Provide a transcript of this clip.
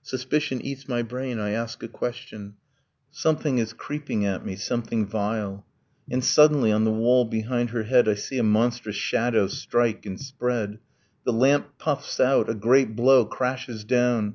Suspicion eats my brain; I ask a question; Something is creeping at me, something vile; And suddenly on the wall behind her head I see a monstrous shadow strike and spread, The lamp puffs out, a great blow crashes down.